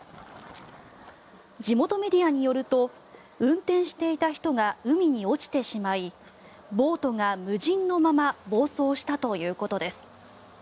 地元メディアによると運転していた人が海に落ちてしまいボートが無人のまま暴走したということです。